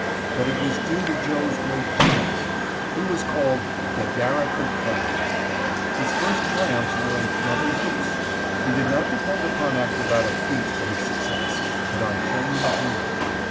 But it was due to Joe's great genius. He was called "The Garrick of Clowns." His first triumphs were in "Mother Goose." He did not depend upon acrobatic feats for his success, but on genuine humor.